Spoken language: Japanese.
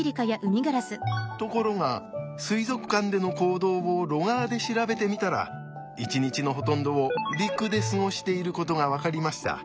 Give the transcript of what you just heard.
ところが水族館での行動をロガーで調べてみたら一日のほとんどを陸で過ごしていることが分かりました。